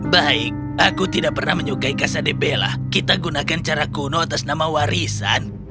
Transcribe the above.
baik aku tidak pernah menyukai casa de bella kita gunakan cara kuno atas nama warisan